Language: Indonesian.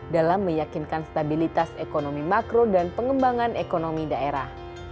dalam meyakinkan stabilitas ekonomi makro dan pengembangan ekonomi daerah